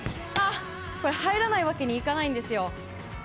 入らないわけにいかないんですよ。